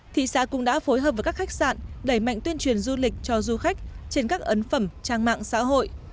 thị xã cũng đã phối hợp với các khách sạn đẩy mạnh tuyên truyền du lịch cho du khách trên các ấn phẩm trang mạng xã hội